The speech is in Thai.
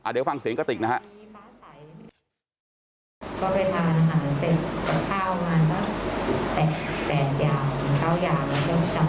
เดี๋ยวฟังเสียงกระติกนะฮะ